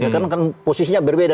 karena kan posisinya berbeda